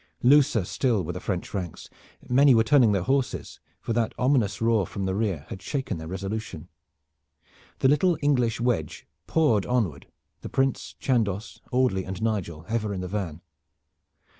Looser still were the French ranks. Many were turning their horses, for that ominous roar from the rear had shaken their resolution. The little English wedge poured onward, the Prince, Chandos, Audley and Nigel ever in the van.